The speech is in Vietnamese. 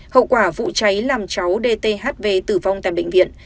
hậu quả vụ cháy làm cháu dthv tử vong tại bệnh viện